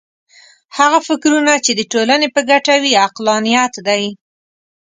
هغه فکرونه چې د ټولنې په ګټه وي عقلانیت دی.